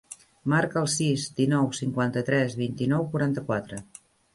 Marca el sis, dinou, cinquanta-tres, vint-i-nou, quaranta-quatre.